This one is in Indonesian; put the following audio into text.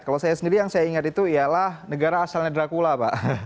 kalau saya sendiri yang saya ingat itu ialah negara asal nedracula pak